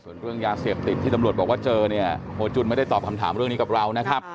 ส่วนเรื่องยาเสพติดที่ตำรวจบอกว่าเจอเนี่ยโฮจุนไม่ได้ตอบคำถามเรื่องนี้กับเรานะครับ